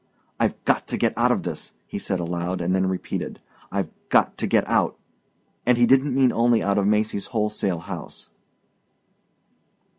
"I've got to get out of this," he said aloud and then repeated, "I've got to get out" and he didn't mean only out of Macy's wholesale house.